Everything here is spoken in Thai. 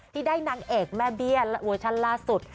ที่ได้นางเอกแม่เบี้ยและเวอร์ชันล่าสุด